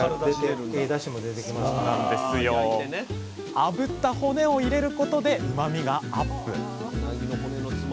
あぶった骨を入れることでうまみがアップ